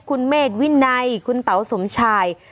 คุณเมฆวินัยคุณเต๋าสมชาย